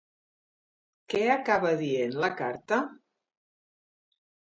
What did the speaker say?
Què acaba dient la carta?